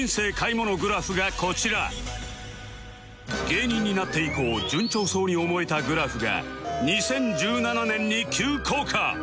芸人になって以降順調そうに思えたグラフが２０１７年に急降下